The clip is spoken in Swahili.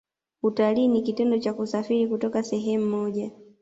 Utalii ni kitendo cha kusafiri kutoka sehemu moja